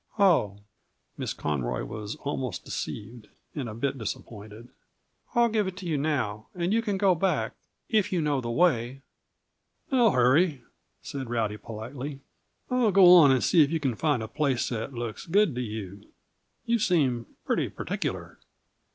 "Oh!" Miss Conroy was almost deceived, and a bit disappointed. "I'll give it to you now, and you can go back if you know the way." "No hurry," said Rowdy politely. "I'll go on and see if you can find a place that looks good to you. You seem pretty particular."